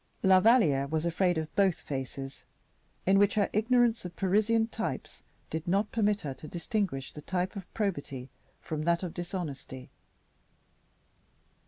La Valliere was afraid of both faces, in which her ignorance of Parisian types did not permit her to distinguish the type of probity from that of dishonesty.